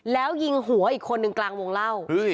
แล้วยิงหัวอีกคนนึงกลางวงเล่า